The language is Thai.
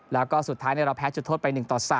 แล้วก็สุดท้ายเราแพ้จุดโทษไป๑ต่อ๓